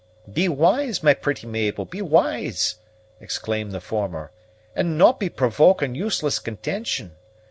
"Be wise, my pretty Mabel, be wise!" exclaimed the former; "and no' be provoking useless contention.